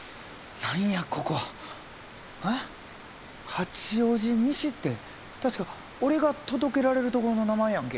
八王子西って確か俺が届けられるところの名前やんけ。